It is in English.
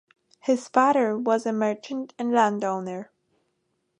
His father was a merchant and landowner.